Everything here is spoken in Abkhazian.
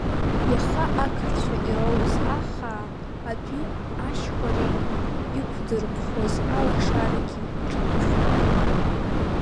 Иаха ақырҭцәа ироуз ааха, адәи ашьхареи иқәдырԥхоз алашарагьы ирныԥшуан.